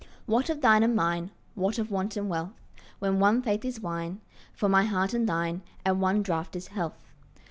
What of thine and mine, What of want and wealth, When one faith is wine For my heart and thine And one draught is health?